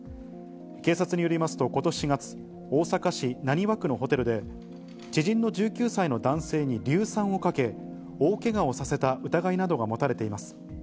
警察によりますと、ことし４月、大阪市浪速区のホテルで、知人の１９歳の男性に硫酸をかけ、大けがをさせた疑いなどが持たれています。